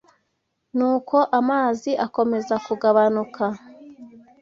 Nuko amazi akomeza kugabanuka